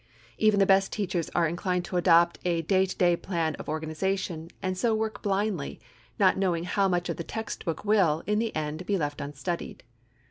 Even the best teachers are inclined to adopt a day to day plan of organization and so work blindly, not knowing how much of the text book will, in the end be left unstudied.